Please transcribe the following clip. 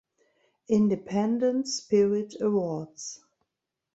Independent Spirit Awards